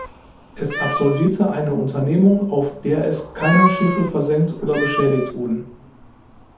Es absolvierte eine Unternehmung auf der es keine Schiffe versenkt oder beschädigt wurden.